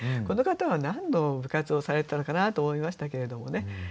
この方は何の部活をされてたのかなと思いましたけれどもね。